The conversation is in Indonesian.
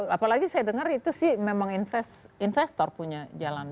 apalagi saya dengar itu sih memang investor punya jalan